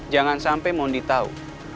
jangan sampe mondi tau